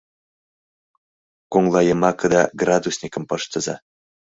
Коҥлайымакыда градусникым пыштыза.